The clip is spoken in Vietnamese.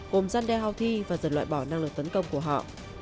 cùng giăn đeo houthi và dần loại bỏ năng lực tấn công của họ